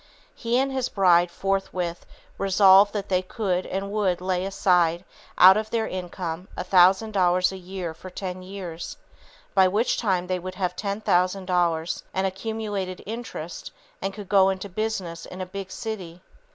He and his bride forthwith resolved that they could and would lay aside out of their income a thousand dollars a year for ten years, by which time they would have ten thousand dollars and accumulated interest and could go into business in a big city.